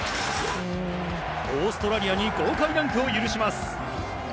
オーストラリアに豪快ダンクを許します。